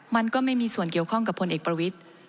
มันก็ไม่มีส่วนเกี่ยวข้องกับพลเอกประวิทธิ์